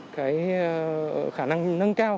khả năng nâng cao